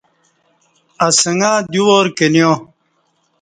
اسنگہ دیو وار کنیہ